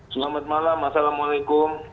selamat malam assalamualaikum